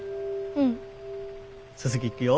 うん。